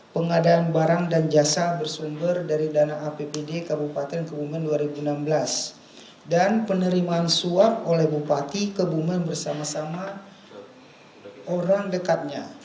pengadaan barang dan jasa bersumber dari dana apbd kabupaten kebumen dua ribu enam belas dan penerimaan suap oleh bupati kebumen bersama sama orang dekatnya